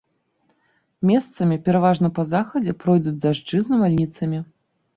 Месцамі, пераважна па захадзе, пройдуць дажджы з навальніцамі.